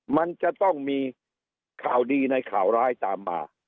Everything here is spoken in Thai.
มันจะต้องมีข่าวดีในข่าวร้ายตามมา